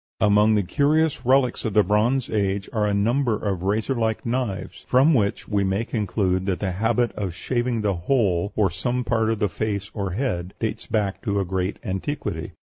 Among the curious relics of the Bronze Age are a number of razor like knives; from which we may conclude that the habit of shaving the whole or some part of the face or head dates back to a great antiquity.